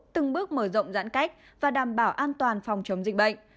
từng bước mở rộng giãn cách và đảm bảo an toàn phòng chống dịch bệnh